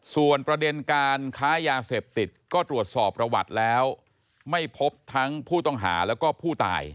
ส่วนประเด็นการค้ายาเสพติดก็ตรวจสอบประวัติแล้วไม่พบทั้งผู้ต้องหาแล้วก็ผู้ตาย